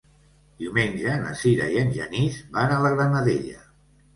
Diumenge na Sira i en Genís van a la Granadella.